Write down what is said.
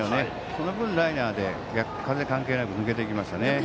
その分、ライナーで風関係なく抜けていきましたね。